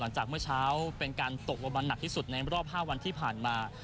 จากเมื่อเช้าเป็นการตกลงมันหนักที่สุดในรอบ๕วันที่ผ่านมา